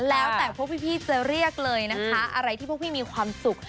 แล้วแต่พวกพี่จะเรียกเลยนะคะอะไรที่พวกพี่มีความสุข